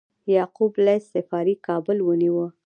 یعقوب لیث صفاري کابل ونیو